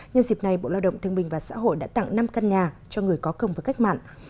nhân dịp này bộ lao động thương minh và xã hội đã tặng năm căn nhà cho người có công với cách mạng